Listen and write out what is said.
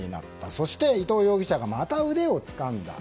そして伊藤容疑者がまた腕をつかんだ。